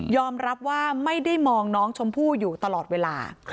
รับว่าไม่ได้มองน้องชมพู่อยู่ตลอดเวลา